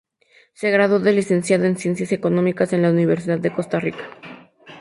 Se graduó de licenciado en Ciencias Económicas en la Universidad de Costa Rica.